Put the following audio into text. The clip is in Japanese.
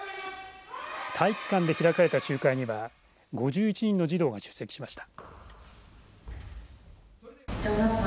体育館で開かれた集会には５１人の児童が出席しました。